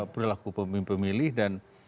perlaku pemimpin milih dan